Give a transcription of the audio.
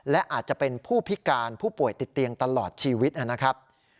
และอาจจะเป็นผู้พิการผู้ป่วยติดเตียงตลอดชีวิตนะครับ